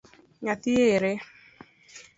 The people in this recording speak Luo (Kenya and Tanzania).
Nyathi ere?